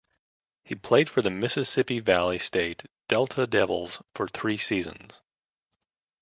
He played for the Mississippi Valley State Delta Devils for three seasons.